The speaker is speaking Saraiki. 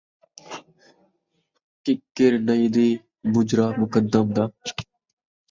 ککِڑ نائی دی ، مجرا مقدم دا